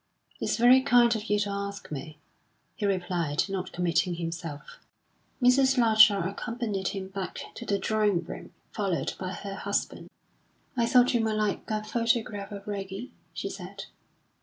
"It's very kind of you to ask me," he replied, not committing himself. Mrs. Larcher accompanied him back to the drawing room, followed by her husband. "I thought you might like a photograph of Reggie," she said.